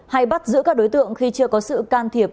hay bắt giữ các đối tượng khi chưa có sự can thiệp